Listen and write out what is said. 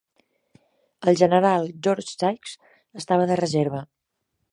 El general George Sykes estava de reserva.